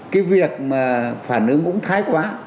cái việc mà phản ứng cũng thái quá